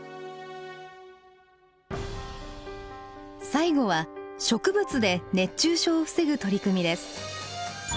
最後は植物で熱中症を防ぐ取り組みです。